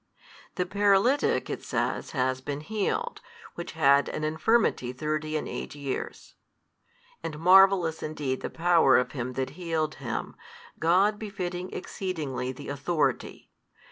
The paralytic (it says) has been healed, which had an infirmity thirty and eight years. And marvellous indeed the Power of Him That healed him, God befitting exceedingly the Authority.